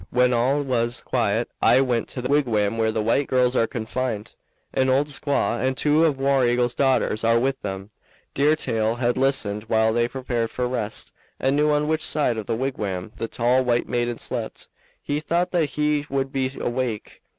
When all was quiet I went to the wigwam where the white girls are confined. An old squaw and two of War Eagle's daughters are with them. Deer Tail had listened while they prepared for rest and knew on which side of the wigwam the tall white maiden slept. He thought that she would be awake.